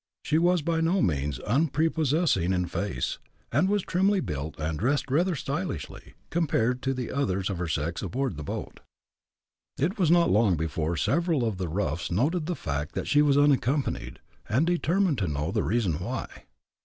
She was by no means unprepossessing in face, and was trimly built, and dressed rather stylishly, compared to the others of her sex aboard the boat. It was not long before several of the roughs noted the fact that she was unaccompanied, and determined to know the reason why.